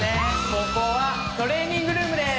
ここはトレーニングルームです！